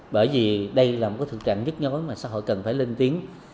bởi vì đây là một cái thực trạng nhất nhóm mà xã hội cần phải lên tiếng